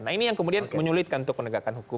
nah ini yang kemudian menyulitkan untuk penegakan hukum